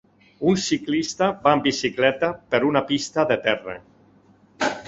Un ciclista va en bicicleta per una pista de terra